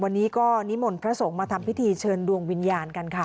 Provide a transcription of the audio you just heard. วันนี้ก็นิมนต์พระสงฆ์มาทำพิธีเชิญดวงวิญญาณกันค่ะ